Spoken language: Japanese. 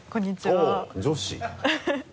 おぉ女子。